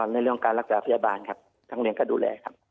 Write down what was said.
ในเรื่องการรักษาพยาบาลครับทั้งเรียนก็ดูแลครับ